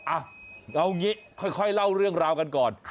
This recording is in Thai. อ่ะเอาอย่างนี้ค่อยเล่าเรื่องราวกันก่อน